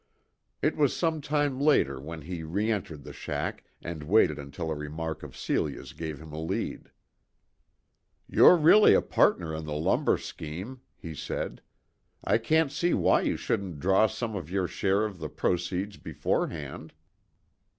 It was some time later when he re entered the shack, and waited until a remark of Celia's gave him a lead. "You're really a partner in the lumber scheme," he said. "I can't see why you shouldn't draw some of your share of the proceeds beforehand."